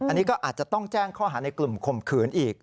อันนี้ก็อาจจะต้องแจ้งข้อหาในกลุ่มข่มขืนอีก